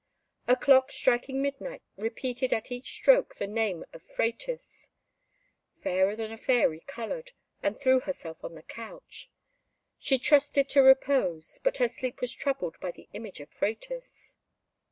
A clock striking midnight repeated at each stroke the name of Phratis. Fairer than a Fairy coloured, and threw herself on the couch. She trusted to repose, but her sleep was troubled by the image of Phratis.